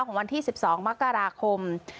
วันที่๑๒มกราคม